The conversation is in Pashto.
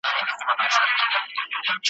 چاچي بد کړي بد به یادیږي ,